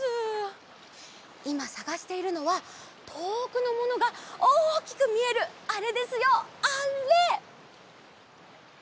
いまさがしているのはとおくのものがおおきくみえるあれですよあれ！